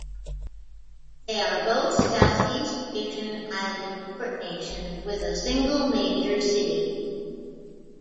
They are both Southeast Asian island port nations with a single major city.